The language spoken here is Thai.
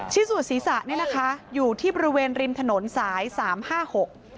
ส่วนศีรษะเนี่ยนะคะอยู่ที่บริเวณริมถนนสายสามห้าหก